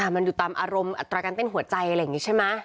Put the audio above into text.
มันอยู่ตามอารมณ์อัตราการเต้นหัวใจอะไรอย่างนี้ใช่ไหม